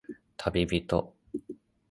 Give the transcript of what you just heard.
たびびと